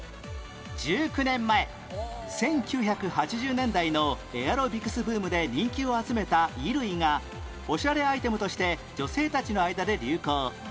１９年前１９８０年代のエアロビクスブームで人気を集めた衣類がオシャレアイテムとして女性たちの間で流行